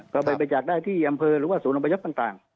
ก็ไปจากได้ที่อำเภอหรือว่าศูนย์บริยักษ์ต่าง